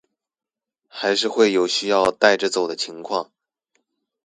還是會有需要帶著走的狀況